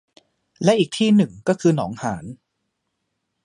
และอีกที่หนึ่งก็คือหนองหาร